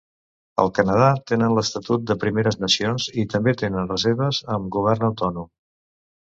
Al Canadà, tenen l'estatut de Primeres Nacions i també tenen reserves amb govern autònom.